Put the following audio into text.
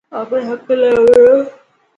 آپري حق لاءِ وڌو.